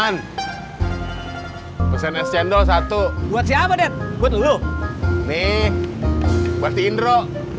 res aggicheckthat satu buat siapa dek itu meh birth inro